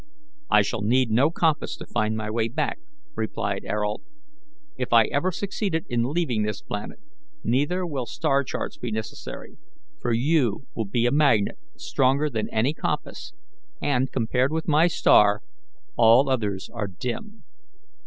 "I shall need no compass to find my way back," replied Ayrault, "if I ever succeed in leaving this planet; neither will star charts be necessary, for you will be a magnet stronger than any compass, and, compared with my star, all others are dim."